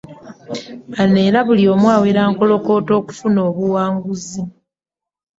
Bano era buli omu awera nkolokooto okufuna obuwanguzi.